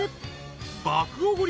［爆おごり